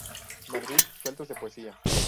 Madrid: Sueltos de Poesía.